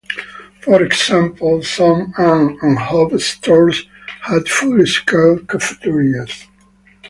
For example, some Ann and Hope stores had full-scale cafeterias.